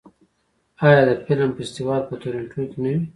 آیا د فلم فستیوال په تورنټو کې نه وي؟